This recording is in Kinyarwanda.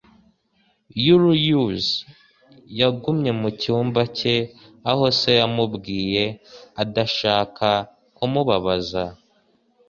Yully Hughes yagumye mu cyumba cye, aho se yamubwiye, adashaka kumubabaza.